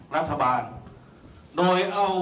รัฐบาลโดยเอา